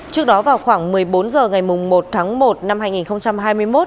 trước đó vào khoảng một mươi bốn h ngày một tháng một năm hai nghìn hai mươi một